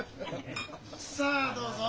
さあどうぞ。